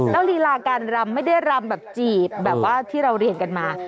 แล้วลีลาการรำไม่ได้รำแบบจีบแบบว่าที่เราเรียนกันมา